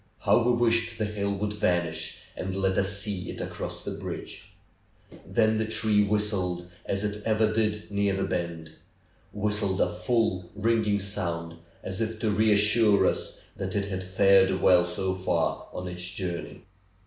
How we wished the hill would vanish and let us see it cross the bridge! Then the train whistled, as it ever did near the bend; whistled a full, ringing sound, as if to reassure us that it had fared well so far on its journey.